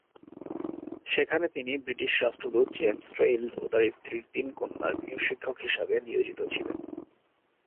সেখানে তিনি ব্রিটিশ রাষ্ট্রদূত জেমস ট্রেইল ও তার স্ত্রীর তিন কন্যার গৃহশিক্ষক হিসেবে নিয়োজিত ছিলেন।